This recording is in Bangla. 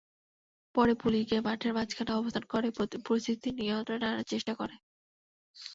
পরে পুলিশ গিয়ে মাঠের মাঝখানে অবস্থান করে পরিস্থিতি নিয়ন্ত্রণে আনার চেষ্টা করে।